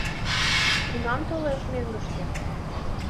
Кунам толеш мӧҥгышкӧ?